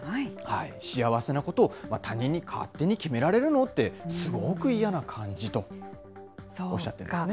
幸せなことを他人に勝手に決められるの？って、すごく嫌な感じとおっしゃってるんですね。